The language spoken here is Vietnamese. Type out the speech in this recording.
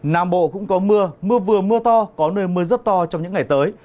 nam bộ cũng có mưa mưa vừa mưa to có nơi mưa rất to trong những ngày tới